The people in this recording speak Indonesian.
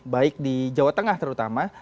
baik di jawa tengah terutama